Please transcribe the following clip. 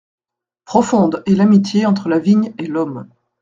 Profonde est l'amitié entre la vigne et l'homme.